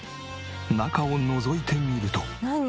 中をのぞいてみると。